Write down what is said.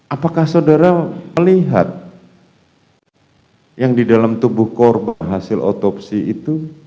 apakah saudara melihat yang di dalam tubuh korban hasil otopsi itu